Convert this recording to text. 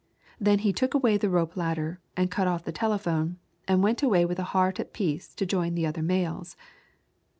Then he took away the rope ladder and cut off the telephone, and went away with a heart at peace to join the other males.